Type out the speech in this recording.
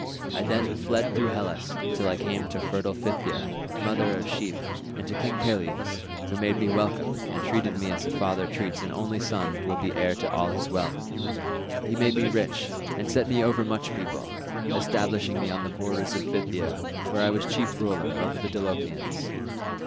I then fled through Hellas till I came to fertile Phthia, mother of sheep, and to King Peleus, who made me welcome and treated me as a father treats an only son who will be heir to all his wealth. He made me rich and set me over much people, establishing me on the borders of Phthia where I was chief ruler over the Dolopians.